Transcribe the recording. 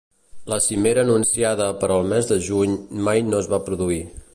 La cimera anunciada per al mes de juny mai no es va produir.